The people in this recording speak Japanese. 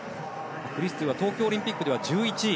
クリストゥは東京オリンピックでは１１位。